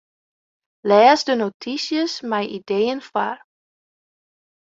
Lês de notysjes mei ideeën foar.